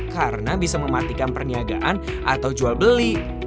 karena bisa mematikan perniagaan atau jual beli